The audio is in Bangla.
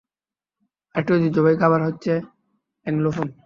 আরেকটি ঐতিহ্যবাহী খাবার হচ্ছে এংলোফোন।